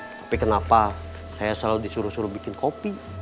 tapi kenapa saya selalu disuruh suruh bikin kopi